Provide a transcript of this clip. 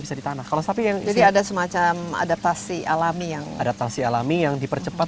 bisa di tanah kalau sapi yang jadi ada semacam adaptasi alami yang adaptasi alami yang dipercepat